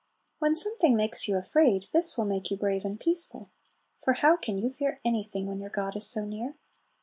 When something makes you afraid, this will make you brave and peaceful; for how can you fear anything when your God is so near?